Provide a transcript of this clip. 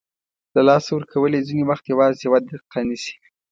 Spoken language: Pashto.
له لاسه ورکول یې ځینې وخت یوازې یوه دقیقه نیسي.